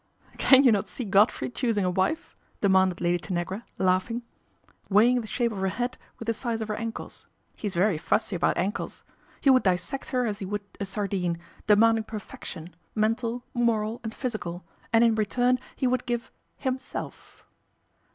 " Can you not see Godfrey choosing a wife ? demanded Lady Tanagra, laughing. ' Weighing the shape of her head with the size of her ankles, he's very fussy about ankles. He would dissect her as he would a sardine, demanding perfection, A TACTICAL BLUNDER 183 icntal, moral, and physical, and in return he f ould give himself."